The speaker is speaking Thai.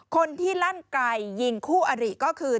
คนที่ลั่นไกลยิงคู่อริก็คือ